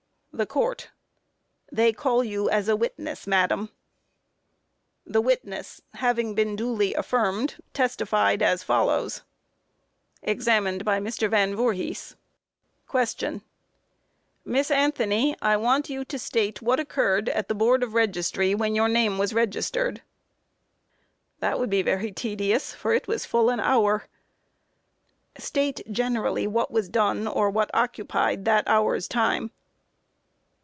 THE COURT: They call you as a witness, madam. The witness, having been duly affirmed, testified as follows: Examined by MR. VAN VOORHIS: Q. Miss Anthony, I want you to state what occurred at the Board of Registry, when your name was registered? A. That would be very tedious, for it was full an hour. Q. State generally what was done, or what occupied that hour's time?